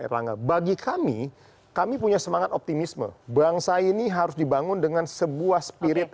erlangga bagi kami kami punya semangat optimisme bangsa ini harus dibangun dengan sebuah spirit